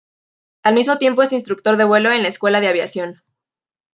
Al mismo tiempo es instructor de vuelo en la Escuela de Aviación.